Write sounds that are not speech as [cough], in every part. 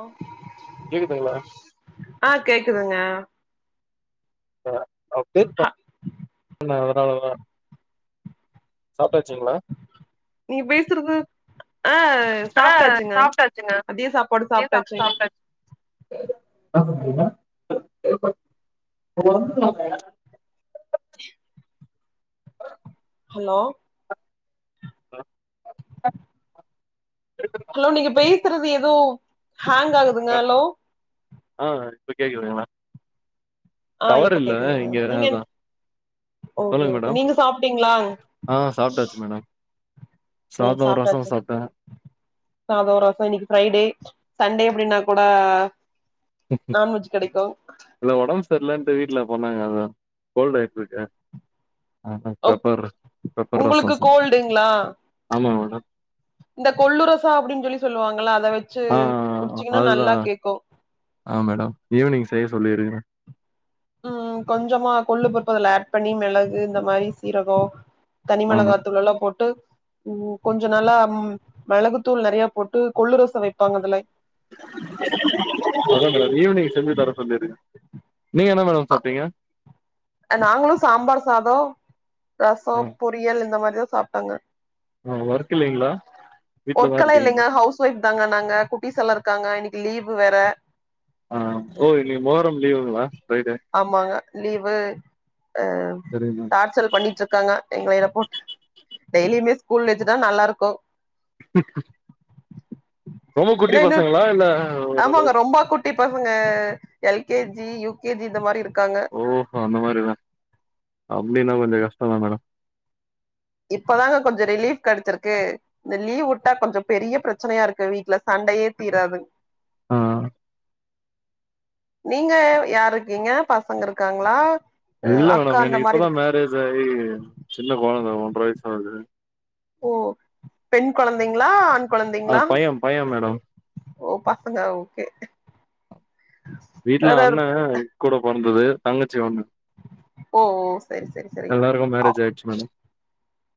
ஒ கேக்குதுங்ளா ஆ கேக்குதுங்க [inaudible] ஹ அதனாலதா சாப்ட்டாச்சுங்ளா நீ பேசறது அ ஆ சாப்ட்டாச்சுங்க சாப்ட்டாச்சுங்க மதிய சாப்பாடு சாப்ட்டாச்சுங் என்ன பண்றிங்க [inaudible] ஹலோ ஹ ஹலோ நீங்க பேசறது எதோ ஹேங் ஆகுதுங்க ஹலோ ஆ இப்ப கேக்குதுங்ளா ஆ டவர் இப்ப இல்ல கேக்குதுங்க இங்க நீங்க அதா ஓகே சொல்லுங் ஓகே மேடம் நீங்க சாப்ட்டீங்களா ஆ சாப்ட்டாச்சு மேடம் ஓ சாதோ ரசோ சாப்ட்டாச்சு சாப்ட்ட சாதோ ரச இன்னைக்கு ஃப்ரைடே சண்டே அப்டின்னா கூட நான்வெஜ் கெடைக்கு இல்ல ஒடம்பு சர்ல்லன்ட்டு வீட்ல சொன்னாங்க அதா கோல்ட் ஆயிட்ருக்கு ஆ ஒ பெப்பர் பெப்பர் ரசம் உங்களுக்கு செஞ் கோல்டுங்களா ஆமா மேடம் இந்த கொல்லு ரசோ அப்டின்சொல்லி சொல்லுவாங்கல்ல அத வெச்சு ஆ குடிச்சீங்கன்னா நல்லா கேக்கு அ மேடம் ஈவினிங் செய்ய சொல்லிருங்க ம் கொஞ்சமா கொள்ளு போட்டு அதுல அட் பண்ணி மிளகு இந்த மாரி சீரகோ தனி ஆமா மெளகாத்தூள்லலா போட்டு ம் கொஞ்சோ நல்லா ம் மெளகுதூள் நெறயா போட்டு கொள்ளு ரசம் வைப்பாங்க அதுல அதா மேடம் ஈவினிங் செஞ்சு தர சொல்லிரு நீங்க என்ன மேடம் சாப்ட்டிங்க நாங்களு சாம்பார் சாதோ ரசோ ஆ பொரியல் இந்த மாரிதா சாப்ட்டங்க மேம் ஓர்க்கு இல்லைங்களா வீட்லதா இருக்கிங்களா கேட்தாங்க நாங்க குட்டிஸ் எல்லா இருக்காங்க இன்னிக்கு லீவ்வு வேற ஆ ஓ இன்னிக் மொகரம் லீவ்வுங்களா ஆமாங்க லீவு அ சரிங்க மேம் டார்சல் பண்ணிட்ருக்காங்க எங்களய போட் டெய்லியுமே ஸ்கூல் வச்சுட்டா நல்லா இருக்கு [inaudible] ரொம்ப குட்டி ஏன்னா இன்னு பசங்களா இல்ல ஒரு ஆமாங்க அளவுக் ரொம்ப குட்டி பசங்க L. K. G U. K. G இந்த மாரி இருக்காங்க ஓஹோ அந்த மாரிதா அப்டின்னா கொஞ்சோ கஷ்டதா மேடம் இப்பதாங்க கொஞ்சோ ரிலீஃப் கெடச்சிருக்கு இந்த லீவ் உட்டா கொஞ்சோ பெரிய பிரச்சனையா இருக்கு வீட்ல சண்டையே தீராதுங் அ நீங்க யார் இருக்கீங்க பசங்க இருக்காங்களா அ இல்ல அக்கா மேடம் அந்த எனக்கு மாரி இப்பதா இருக்கு மேரேஜ் ஆயி சின்ன கொழந்த ஒன்ர வைஷ் தா ஆவ்து ஓ பெண் கொழந்தைங்களா ஆண் ஆ கொழந்தைங்களா பைய பைய மேடம் ஓ பசங்க ஓகே வீட்ல வேறாரு அண்ண கூட பொறந்தது தங்கச்சி ஒன்னு ஓ ஓ செரி செரி செரி எல்லாருக்கு மேரேஜ் ஆய்ச்சு மேடம்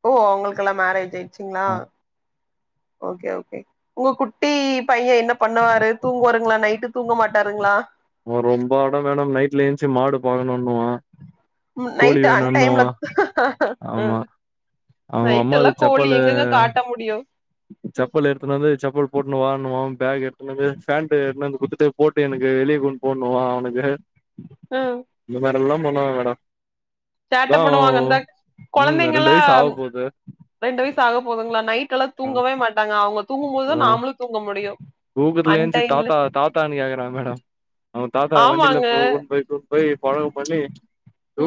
ஒ அவுங்கல்கெல்லா மேரேஜ் ஆய்டுச்சிங்களா ஆ ஒகே ஒகே உங்க குட்டி பைய என்ன பண்ணுவாரு தூங்குவாருங்களா நைட்டு தூங்க மாட்டாருங்களா அவ ரொம்ப அடம் மேடம் நைட்ல ஏஞ்ச்சு மாடு பாக்கணுன்னுவா கோழி நைட்டு அன் டைம்ல வேணுன்னுவா ஆமா அவங்க அம்மா நைட்டல்லா அது செப்பால் கோழி எங்கங்க காட்ட முடியு செப்பல் எடுத்துனு வந்து செப்பல் போட்டுனு வா இன்னுவா பேக் எத்துன்னு வந்து பேண்ட் எடுத்துன்னு வந்து குடுத்துட்டு போட் ப்ப எனக்கு வெளிய கூட்னு போன்னுவா அவனுக்கு ம் இந்த மாரி எல்லா பண்ணுவா மேடோ சேட்ட பண்ணுவாங்கந்தா ம் ரெண்டு கொழந்தைங்கல்லா வயசு ஆக போது ரெண்டு வய்சு ஆக போதுங்களா நைட்டல்லா ஆ தூங்கவே மாட்டாங்க அவுங்க ஆ தூங்கும்போதுதா நாம்மளு தூங்க முடியு தூக்கத்துல ஏஞ்சு அன்டைம்ல தாத்தா தாத்தானு கேக்கறா மேடம் அவுங்க தாத்தா வண்டில ஆமாங்க கூட்னு போய் போய் கழகம் பண்ணி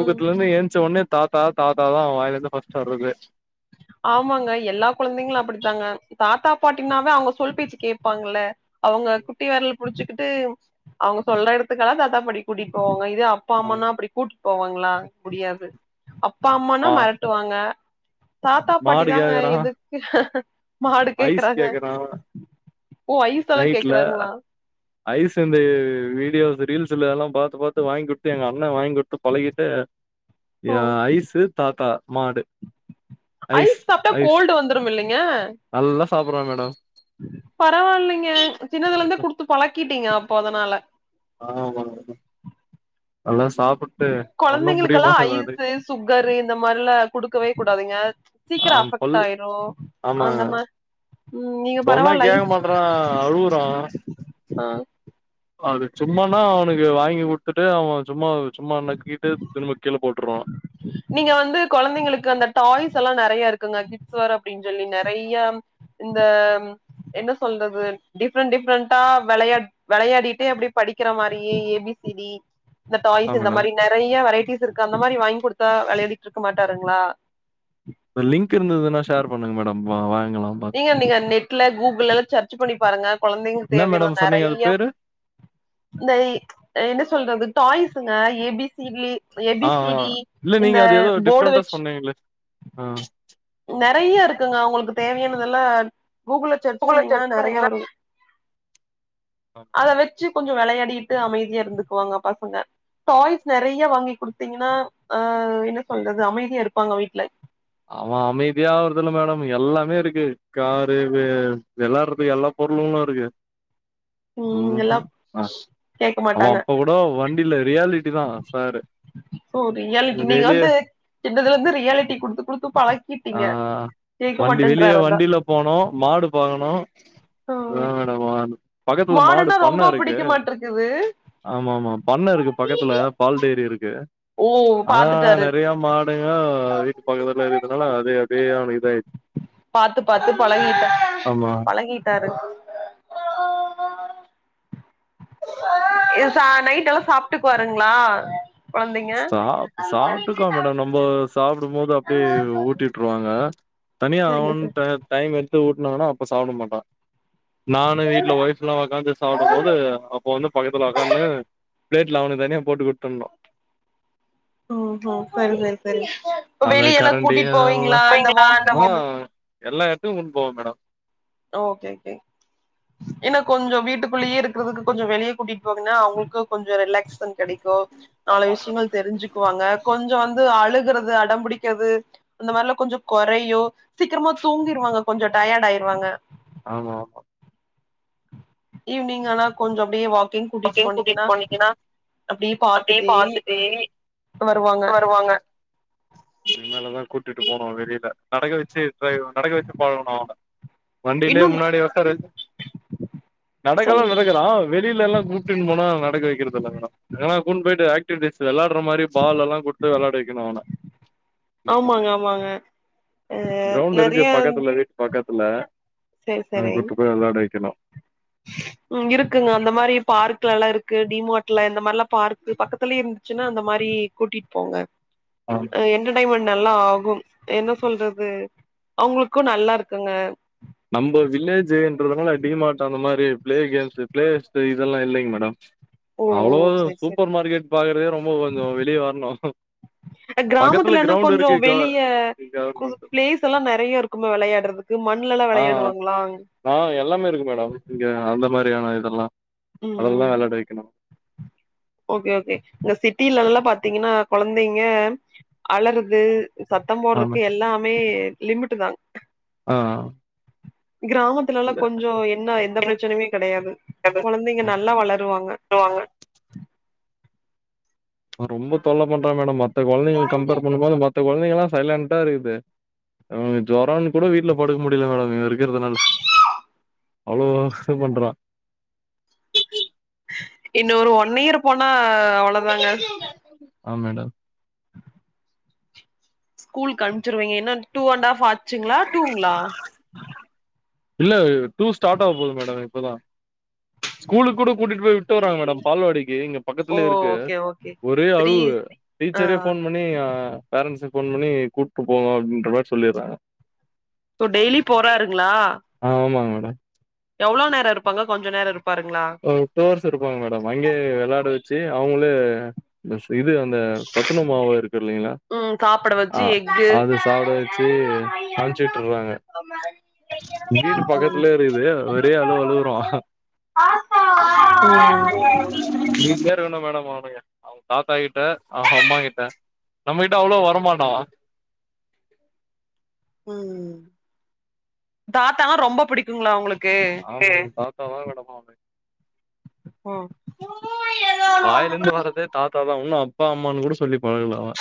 ம் ஏன்ச்ச ஒன்னே தாத்தா தாத்தா தா அவ வாயில இந்து ஃபஸ்ட்டு வர்றது ஆமாங்க எல்லா கொழந்தைங்களு அப்படித்தாங்க தாத்தா பாட்டினாவே அவுங்க சொல் பேச்சு கேப்பாங்கல்ல அவுங்க குட்டி வெரல் புடிச்சுக்கிட்டு அவுங்க சொல்ற எடத்துக்குல்லா தாத்தா பாட்டி கூட்டிட் போவாங்க இதுவே அப்பா அம்மானா அப்டி கூட் போவாங்களா முடியாது அப்பா அம்மான்னா மா மெரட்டுவாங்க தாத்தா மாடு பாட்டிதாங்க கேக்குறா எதுக்கு மாடு ஐஸ் கேக்கறாங்க கேக்குறா ஒ ஐஸ்சல்லா கேக்கறாங்களா ஐஸ்சு வந்து வீடியோஸ் ரீல்ஸ்ல எல்லா பாத்து பாத்து வாங்கி குடுத்து எங்க அண்ண வாங்கி கு ட்டு பழகிட்டு‌ ஓ ய ஐசு தாத்தா மாடு ஐஸ் சாப்டா கோல்டு வந்துரும் இல்லைங்க நல்லா சாப்பறா மேடம் பரவாயில்லைங்க சின்னதுல இருந்தே குடுத்து பழக்கிட்டீங்க அப்போ அதனால [unintelligible] நல்லா சாப்புட்டு ஒன்னு முடிய கொழந்தைகளுக்கெல்லா மாட்டேது அது ஐஸு சுகரு இந்த மாரில்லா குடுக்கவே கூடாதுங்க சீக்கிரம் அவன் பல் அஃபெக்ட் ஆயிரு ஆமாங்க அந்த மார் ம் நீங்க பரவால ஐஸ் ஆ அழுவுறான் ஆ அது சும்மாண்ணா அவனுக்கு வாங்கி குடுத்துட்டு அவன் சும்மா சும்மா நக்கிட்டு திரும்ப கீழ போட்டுருவான் நீங்க வந்து கொழந்தைங்களுக்கு அந்த டாய்ஸ் எல்லாம் நெறைய இருக்குங்க சோற அப்டின் சொல்லி நெறைய ம் இந்த ம் என்ன சொல்றது டிஃப்ரெண்ட் டிஃப்ரெண்டா வெளையா வெளையாடிட்டே அப்டி படிக்கிற மாரி ஏ பி சி டி இந்த ஆ டாய்ஸ் இந்த மேடம் மாரி நெறைய வெரைட்டிஸ் இருக்கு அந்த மாரி வாய்ங் குடுத்தா விளையாடிட் இருக்க மாட்டாருங்க்ளா லிங்க் இருந்ததுன்னா ஷேர் பண்ணுங்க மேடம் வா வாங்கலா பாத் நீங்க நீங்க நெட்ல கூகுள் எல்லா சர்ச் பண்ணி பாருங்க கொழந்தைங்களு என்ன தேவையான மேடம் சொன்னீங்க அது நெறையா பேரு இந்த என்ன சொல்றது டாய்ஸுங்க A B C D A ஆ பி சி ஆ டி இல்ல நீங்க இந்த அது ஏதோ போர்டு டிஃப்ரெண்டண்டா வச்சு சொன்னீங்களே ஆ நெறைய இருக்குங்க அவங்களுக்கு தேவையானதெல்லாம் கூகுள்ள சர்ச் கூகுள்ல பண்ணீங்கன்னா நெறைய பண்ணீங்கன்னா வரும் அத வெச்சு கொஞ்ச வெளையாடிட்டு அமைதியா இருந்துக்குவாங்க பசங்க டாய்ஸ் நெறைய வாங்கி குடுத்தீங்கன்னா ஆ என்ன சொல்றது அமைதியா இருப்பாங்க வீட்ல அவன் அமைதியாவருதல மேடம் எல்லாமே இருக்கு காரு வெ வெளாடுறதுக்கு எல்லா பொருளெல்லா இருக்கு ம் எல்லா [unintelligible] ஆ கேக்க அவன் மாட்டாங்க அப்ப கூட் அடோ வண்டில ரியாலிட்டி தான் சாரு ஓ ரியாலிட்டி நீங்க வெளிய வந்து சின்னதுல இருந்து ரியாலிட்டி குடுத்து குடுத்து பழ ஆ வண்டி வெளிய அதா வண்டிலப் போனும் மாடு பாக்கனு ம் வேறன்ன [unintelligible] பக்கத்துல மாடு மாடர்னா பண்ண ரொம்ப இருக்கு புடிக்க மாட்ருக்குது ஆமா ஆமா பண்ண இருக்கு பக்கத்துல பால் டைரி இருக்கு ஓ அதனால பாத்துட்டாரு நெறைய மாடுங்க பக்கத்தல இருக்கறதுனால அது அப்டியே அவனுகு இதாயிருச்சி பாத்து பாத்து பழகிட்டா ஆமா [unintelligible] ச நைட் எல்லாம் சாப்ட்டுக்குவாருங்ளா கொழந்தைங்க சாப் சாப்ட்டுக்குவா மேடம் நம்ப சாப்பிடும் போது அப்டியே ஊட்டியுட்ருவாங்க தனியா சரிங்க சார் அவன்ட்ட டைம் எடுத்து ஊட்னாங்கன்னா அப்ப சாப்ட மாட்டா நானு வீட்ல ஒய்ஃப் புல்லா உக்காந்து சாப்டும் போது அப்ப வந்து பக்கத்துல உக்கானு பிளேட்ல அவுரு தனியா போட்டு ஊட்டனு ஓ ஓ சரி சரி சரி அந்த வெளிய எல்லா கரண்டி கூட்டிட் அதெல்லா போவீங்ளா அந்த வாக்கிங் ஆ இந்த எல்லா எத்துக்கும் கூட்டின்போவ மேடம் ஓகே ஓ‌கே ஏன்னா கொஞ்சொ வீட்டுக்குள்ளயே இருக்கறதுக் கொஞ்சம் வெளியே கூட்டிட் போனீங்கன்னா அவங்களுக்கு கொஞ்சம் ரிலாக்ஸ் கெடைக்கும் நாலு விஷயங்கள் தெரிஞ்சுக்குவாங்க கொஞ்சம் வந்து அழுகுறது அடம் பிடிக்கிறது அந்த மாதிரிலா கொஞ்ச கொறையும் சீக்கிரமா தூங்கிடுவாங்க கொஞ்ச டயர்ட் ஆயிருவாங்க ஆமா ஆமா ஈவினிங் ஆனா கொஞ்சொ அப்டியே வாக்கிங் கூட்டிட் போனீங்கன்னா அப்டியே பாத்துட்டே வருவாங்க இதுகு மேலதான் கூட்டிட்டு போனும் வெளில நடக்க வெச்சு ட்ரை நடக்க வெச்சு பழகணும்ன் அவன வண்டிலே இன்னும் முன்னாடி ஒக்காற வெச் நடக்களா சொல்லுங்க நடக்குறான் வெளிலல்லா கூப்டின் போனா நடக்க வைக்கிறது இல்ல மேடம் எங்கனா கூண்ட் போயிட்டு ஆக்டிவிட்டிஸ்ல விளாடுற மாரி பால் எல்லா குடுத்து வெளாட வைக்கணு அவன ஆமாங்க ஆமாங்க அ கிரௌண்ட் இருக்கு நெறைய பக்கத்துல வீட் பக்கத்துல செரி செரி கூட்டு போய் விளையாட வைக்கணு ம் இருக்குங்க அந்த மாரி பார்க்லல்லாம் இருக்கு டிமாட்ல இந்த மாரில்லாம் பார்க்கு பக்கத்துலயே இருந்துச்சுன்னா அந்த மாரி கூட்டிட்டு போங்க ஆ என்டர்டேமெண்ட் நல்லா ஆகும் என்ன சொல்றது அவங்களுக்கும் நல்லா இருக்குங்க நம்ம வில்லேஜ்ன்றதுனால டிமார்ட் அந்த மாரி பிளே கேம்ஸ் பிளே ஸ்ட் இதெல்லா இல்லைங் மேடம் ஓ அவ்ளோ சரி சரி சூப்பர் மார்க்கெட் பாக்குறதே ரொம்ப கொஞ்சோ வெளிய வர்ணு பக்கத்துல கிராமத்துலன்னா கிரௌண்ட் கொஞ்சோ இருக்கு க வெளிய கவர்மெண்ட்டு பிளேஸ் எல்லா நறையா இருக்கும விளையாட்றதுக்கு மண்லல்லா ஆ விளையாடுவாங்ளா ஆ எல்லாமே இருக்கு மேடம் இங்க அந்த மாரியான இதெல்லா ம் அதெல்லா ம் விளையாட வைக்கணு ஓகே ஓகே இங்க சிட்டிலல்லா பாத்தீங்கன்னா கொழந்தைங்க அழறத் அது சத்தம் ஆமா போட்றக்கு எல்லாமே லிமிட்டு தா ஆ கிராமத்துலல்லா கொஞ்சோ என்ன எந்த பிரச்சனுமே கெடையாது கொழந்தைங்க நல்லா வளருவாங்க திட்டுவாங்க ரொம்ப தொல்ல பண்ற மேடம் மத்த கொழந்தைங்களுக் கம்பேர் பண்ணும்போது மத்த கொழந்தைங்கல்லா சைலன்டா இருக்குது நமக்கு ஜொரான்னு கூட வீட்ல படுக்க முடில மேடம் இவன் இருக்கறதுனால அவ்ளோ கஷ்ட பண்றா இன்னு ஒரு ஒன் இயர் போனா அவ்ளதாங்க ஆ மேடம் ஸ்கூலுக் அனுச்சிருவிங்க என்ன டூ அண்ட் ஹாஃப் ஆச்சுங்ளா டூங்ளா இல்ல டூ ஸ்டார்ட் ஆக போது மேடம் இப்பதா ஸ்கூலுக்கு கூட கூட்டிட்டு போய் விட்டு வறாங்க மேடம் பால்வாடிக்கு இங்க ஓ பக்கத்துலே இருக்கு ஓகே ஓகே ஒரே த்ரீ அழுவு ஆ டீச்சரே போன் பண் னி அ பேரண்ட்ஸ் ஃபோன் பண்ணி கூப்ட்டு போங்கோ அப்டின்ற மாரி சொல்லிர்றாங்க இப்ப டெய்லி போறாருங்ளா ஆமாங்க மேடம் எவ்ளோ நேர இருப்பாங்க கொஞ்ச நேர இருப்பாருங்ளா ஒரு டோர்ஸ் இருப்பாங்க மேடம் அங்கே விளாட வச்சு அவுங்ளே ஸ்வி இது அந்த சத்துணவு மாவு இருக்கு இல்லைங்ளா ம் சாப்படவ அ அது சாப்ட வச்சு அனுச்சுட்டுறாங்க ஆமா வீட்டு பக்கத்துலே இருக்குது ஒரே அழுவு அழுவுரோ வீட்லே இருக்கனும் மேடம் அவுனுங்க அவன் தாத்தா கிட்ட அவன் அம்மா கிட்ட நம்மகிட்ட அவ்ளோ வரமாட்டா ம் ம் தாத்தால்லாம் ரொம்ப புடிக்குங்களா உங்களுக்கு தாத்தா தான் மேடம் அவுங்க ம் வாயில இருந்து வர்றதே தாத்தாதா உண்ணு அப்பா அம்மான்னு கூட சொல்லி பழகல அவன்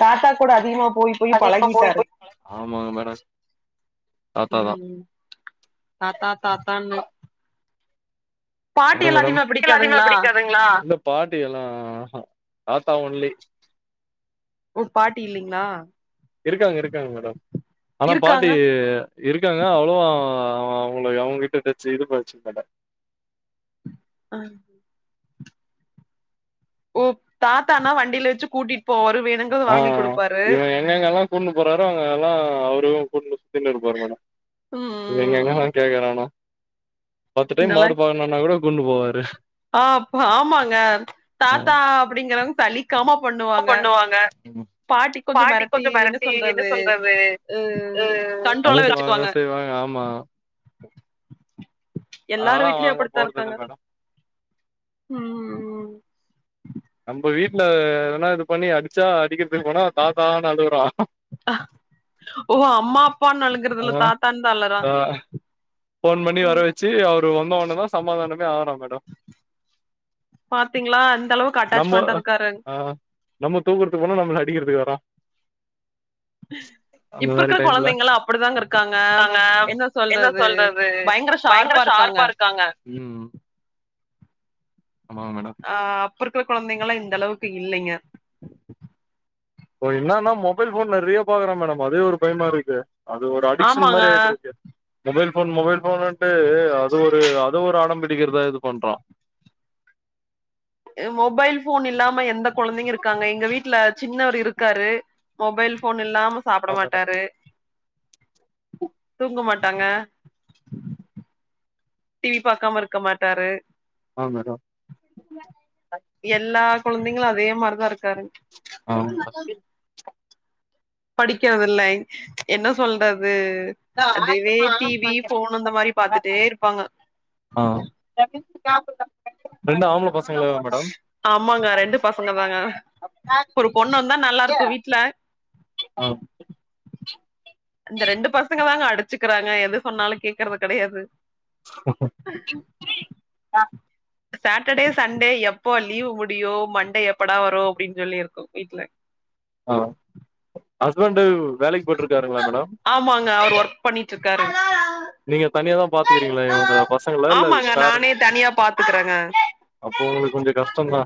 தாத்தா கூட அதிகமா போய் போய் அது இப்ப போய் பழகிட்டாரு போய் ஆமாங்க மேடம் தாத்தாதா ம் தத்தா தாத்தான்னு பாட்டி அப்பறம் எல்லா மேடம் அதிகமா பிடிக்காதுங்களா [unintelligible] அ பாட்டி எல்லா தத்தா ஒன்லி ஒரு பாட்டி இல்லைங்களா இருக்காங்க இருக்காங்க மேடம் ஆனா பாட்டி இருக்காங்க இருக்காங்க அவ்ளோ அவங்க அவங்கிட்ட டச் இது பச்சக்கட்டேன் அ ஒ தாத்தானா வண்டியில வச்சு கூட்டிட்டு போவாரு வேணுங்க ஆ வாங்கி கொடுப்பாரு இவன் எங்கங்கல்லா கூட்ன்னு போறாரோ அவங்க எல்லா அவரு கூட்னு சுத்திட்டு இருப்பாரு மேடம் எங்க ம் எங்கல்லா கேக்றானோ பத்து டைம் மாடு பாக்கனும்னா கூட கூன்னு போவாரு அ ஆமாங்க ஆ தாத்தா அப்டிங்கறவங்க சளிக்காம பண்ணுவாங்க வாங்க பாட்டி கொஞ்சோ மெரட்டி என்ன சொல்றது அ அஹ் கண்ட்ரோலா அதுட்டுவாங்க வச்சுக்குவாங்க செய்வாங்க ஆமா எல்லாரு அதனால அவன் வீட்லயு அங்க அப்படித்தா போறது இல்ல இருக்காங்க மேடம் ம் நம்ம வீட்டு்ல வேனா இது பண்ணி அடிச்சா அடிக்கிறதுக்கு போனா தாத்தானு அழுவுரா ஓ அம்மா அப்பான்னு அழுங்கறது இல்ல தாத்தான்னு தா அழற போன் பண்ணி வர வச்சு அவரு வந்தவ உன தா சமாதானமே ஆகுறா மேடம் பாத்தீங்களா அந்தளவுக்கு நம்ம அட்டாச்மெண்ட்டா இருக்காரு ஆஹ் நம்ம தூக்கறக்கு போனா நம்மள அடிக்கிறதுக்கு வரா அந்த இப்ப மாரி இருக்கிற டைம்ல குழந்தைங்கலா அப்படிதாங்க இருக்காங்க க்காங்க என்ன சொல்றது சொல்றது பயங்கர ஷார்ப்பா இருக்காங்க ஆமா மேடம் ஆஹ அப்ப இருக்கிற குழந்தைங்கல்லாம் இந்த அளவுக்கு இல்லேங்க இப்ப என்னன்னா மொபைல் ஃபோன் நறிய பாக்குற மேடம் அதே ஒரு பயம்மா இருக்கு அது ஒரு அடிக்க்ஷன் ஆமாங்க மாரி ஆயிட்ருக்கு mobile phone mobile phone mobile ஃபோனுன்ட்டு அது ஒரு அது ஒரு ஆடம் பிடிக்கிற்தா இது பண்றோ அ மொபைல் ஃபோன் இல்லாம எந்த கொழந்தைங்க இருக்காங்க எங்க வீட்டுல சின்னவரு இருக்காரு மொபைல் ஃபோன் இல்லாம சாப்புட ஆ மேடம் மாட்டாரு தூங்க மாட்டாங்க டிவி பாக்காம இர்க்கமாட்டாரு ஆ மேடம் எல்லா கொழந்தைங்களு அதே மாரிதா இருக்காருங் ஆ படிக்கறதில்லை என்ன சொல்றது அதவே டிவி ஃபோனு இந்த மாரி பாத்துட்டே இருப்பாங்க ஆ [unintelligible] ரெண்டு ஆம்புள பசங் ஆம்மாங்க ரெண்டு பசங்க தாங்க ஒரு பொண்ணு இர்ந்தா நல்லா இருக்கூ வீட்டுல ஆ இந்த ரெண்டு பசங்க தாங்க அடுத் வெச்சுக்கிறாங்க எது சொன்னாலு கேக்கறது கெடையாது [inaudible] சாட்டடே சண்டே எப்போ லீவு முடியு மண்டே எப்படா வரு அப்டின் சொல்லிருக்கோ வீட்ல அ ஹஸ்பண்ட்டு வேலைக்கு போய்ட்ருக்காருங்ளா மேடம் ஆமாங்க அவரு ஒர்க் பண்ணிட்ருக்காரு நீங்க தனியா தா பாத்துக்கிறீங்ளா இவங்க பசங்கள இல்ல ஆமாங்க பேரன்ட் நானே தனியா பாத்துக்கறேங்க அப்போ உங்களுக்கு கொஞ்ச கஷ்டந்தா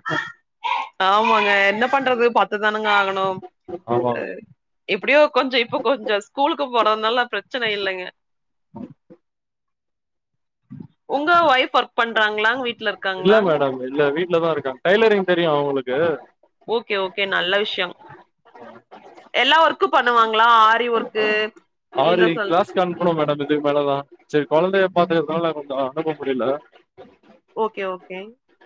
ஆமாங்க என்ன பண்றது பாத்து தானங்க ஆகணு ஆமா அ எப்டியோ கொஞ்சோ இப்போ கொஞ்சோ ஸ்கூலுக்கு போறதுனால பிரச்சன இல்லைங்க உங்க ஒய்ப் ஒர்க் பண்றாங்ளா வீட்ல இருக் இல்ல மேடம் இல்ல வீட்ல தா இருக்காங்க டைலரிங் தெரியு அவுங்களுக்கு ஓகே ஓகே நல்ல விஷ்யோ எல்லா ஒர்க்கு பண்ணுவாங்ளா ஆ வி ஒர்க்கு என்ன சொல் ப்பி அனுப்பணு மேடம் இதுக்கு மேல தா செரி கொழந்தைய பாத்துக்குறனால கொஞ்ச அனுப்ப முடில ஓகே ஓகே